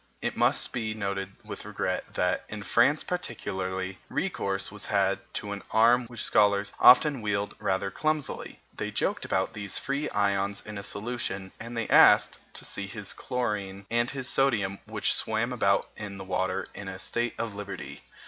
It must be noted with regret that, in France particularly, recourse was had to an arm which scholars often wield rather clumsily. They joked about these free ions in solution, and they asked to see this chlorine and this sodium which swam about the water in a state of liberty.